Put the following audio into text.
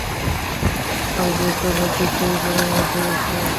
আর জেসও নাকি সেই বনের মধ্যে গেছে।